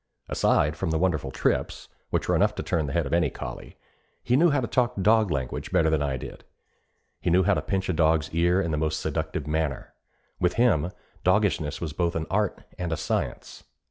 Aside from the wonderful trips, which were enough to turn the head of any collie, he knew how to talk dog language better than I did. He knew how to pinch a dog's ear in the most seductive manner. With him, doggishness was both an art and a science.